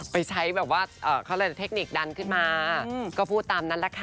ไปใช้แบบว่าเขาเรียกเทคนิคดันขึ้นมาก็พูดตามนั้นแหละค่ะ